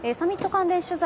関連取材